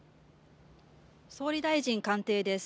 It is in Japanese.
総理大臣官邸です。